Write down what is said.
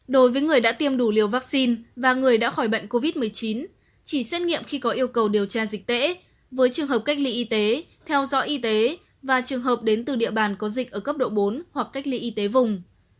đối với người đã tiêm đủ liều vaccine và người đã khỏi bệnh covid một mươi chín chỉ xét nghiệm khi có yêu cầu điều tra dịch tễ với trường hợp cách ly y tế theo dõi y tế và trường hợp đến từ địa bàn có dịch ở cấp độ bốn hoặc cách ly y tế vùng